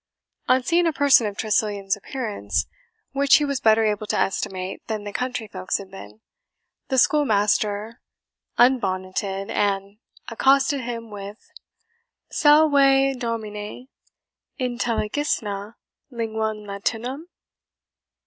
On seeing a person of Tressilian's appearance, which he was better able to estimate than the country folks had been, the schoolmaster unbonneted, and accosted him with, "SALVE, DOMINE. INTELLIGISNE LINGUAM LATINAM?"